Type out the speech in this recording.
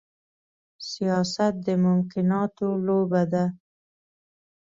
سياست د ممکناتو لوبه ده.